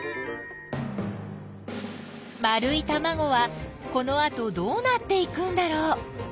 丸いたまごはこのあとどうなっていくんだろう？